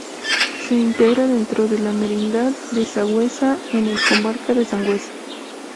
Se integra dentro de la merindad de Sangüesa, en la comarca de Sangüesa.